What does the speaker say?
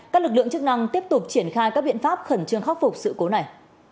các lực lượng chức năng tiếp tục triển khai các biện pháp khẩn trương khắc phục sự cố này